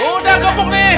udah gebuk nih